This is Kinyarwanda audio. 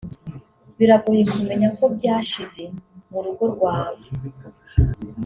biragoye kumenya ko byashize mu rugo rwawe